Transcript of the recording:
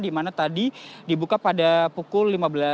di mana tadi dibuka pada pukul lima belas